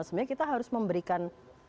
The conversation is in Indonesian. sebenarnya kita harus memberikan